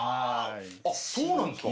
あっそうなんですか？